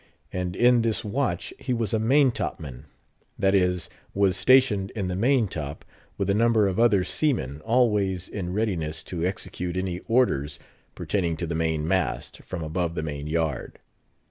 And in this watch he was a maintop man; that is, was stationed in the main top, with a number of other seamen, always in readiness to execute any orders pertaining to the main mast, from above the main yard.